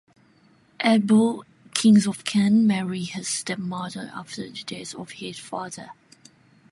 Edbald, King of Kent, married his stepmother after the death of his father.